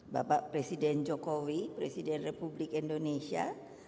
bapak presiden jokowi presiden republik indonesia